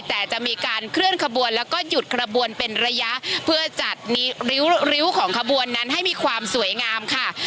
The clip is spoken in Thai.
แต่จะมีการเคลื่อนขบวนแล้วก็หยุดขบวนเป็นระยะเพื่อจัดริ้วของขบวนนั้นให้มีความสวยงามค่ะ